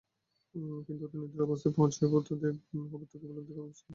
কিন্তু অতীন্দ্রিয় অবস্থায় পৌঁছিয়া বুদ্ধদেব উহা প্রত্যক্ষ উপলব্ধি ও আবিষ্কার করিয়াছিলেন।